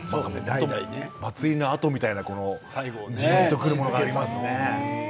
祭りのあとみたいなじんとくるものがありますね。